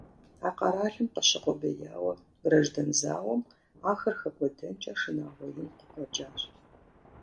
А къэралым къыщыукъубея граждан зауэм ахэр хэкӀуэдэнкӀэ шынагъуэ ин къыкъуэкӀащ.